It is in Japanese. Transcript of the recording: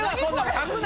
書くな！